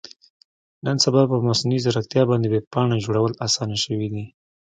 نن سبا په مصنوي ځیرکتیا باندې ویب پاڼه جوړول اسانه شوي دي.